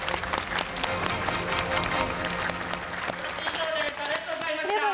収録以上ですありがとうございました！